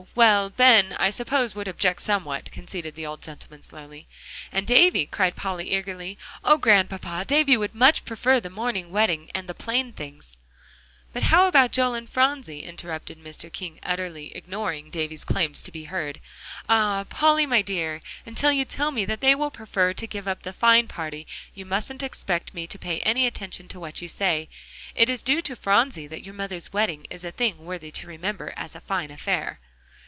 well, Ben, I suppose, would object somewhat," conceded the old gentleman slowly. "And Davie," cried Polly eagerly; "Oh, Grandpapa! David would much prefer the morning wedding and the plain things." "But how about Joel and Phronsie?" interrupted Mr. King, utterly ignoring Davie's claims to be heard. "Ah! Polly, my dear, until you tell me that they will prefer to give up the fine party, you mustn't expect me to pay any attention to what you say. It's due to Phronsie that your mother's wedding is a thing worthy to remember as a fine affair."